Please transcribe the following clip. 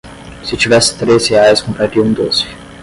se tivesse três reais compraria um doce